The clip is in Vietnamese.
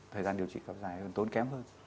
thời gian điều trị gặp dài tốn kém hơn